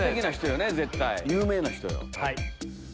有名な人よ。